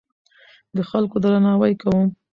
د خلکو درناوی کوم.